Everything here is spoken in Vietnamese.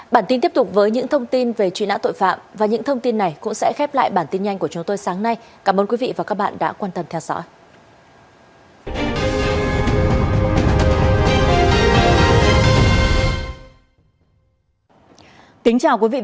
bản tin tiếp tục với những thông tin về truy nã tội phạm và những thông tin này cũng sẽ khép lại bản tin nhanh của chúng tôi sáng nay cảm ơn quý vị và các bạn đã quan tâm theo dõi